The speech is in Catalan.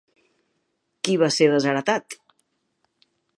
Qui va ser desheretat?